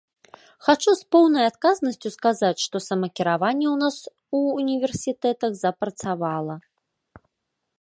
Хачу з поўнай адказнасцю сказаць, што самакіраванне ў нас у універсітэтах запрацавала.